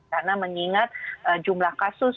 karena mengingat jumlah kasus